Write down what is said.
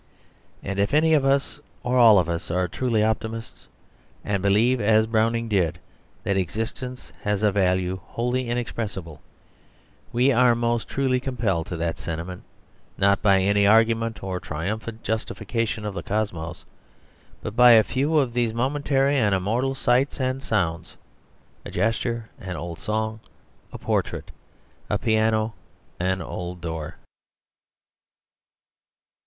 And if any of us or all of us are truly optimists, and believe as Browning did, that existence has a value wholly inexpressible, we are most truly compelled to that sentiment not by any argument or triumphant justification of the cosmos, but by a few of these momentary and immortal sights and sounds, a gesture, an old song, a portrait, a piano, an old door.